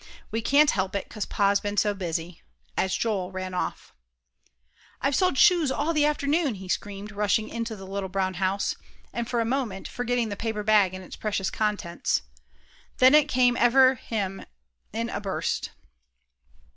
We can't help it, 'cause Pa's been so busy," as Joel ran off. "I've sold shoes all the afternoon," he screamed, rushing into the little brown house, and for a moment forgetting the paper bag and its precious contents. Then it came ever him in a burst.